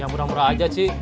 yang murah murah aja cik